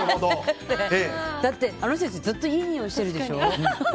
だって、あの人たちずっといい匂いしてるでしょ。